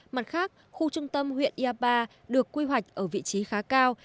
mặt khác khu trung tâm huyện iapa được quy hoạch ở vị trí khá cao